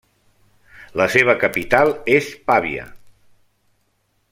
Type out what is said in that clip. La seva capital és Pavia.